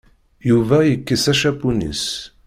Yuba yekkes ačapun-is.